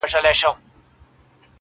خونه له شنو لوګیو ډکه ده څه نه ښکاریږي٫